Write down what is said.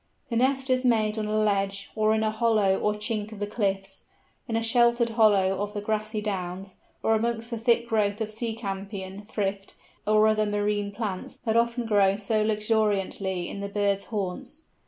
The nest is made on a ledge or in a hollow or chink of the cliffs; in a sheltered hollow of the grassy downs: or amongst the thick growth of sea campion, thrift, and other marine plants that often grow so luxuriantly in the bird's haunts.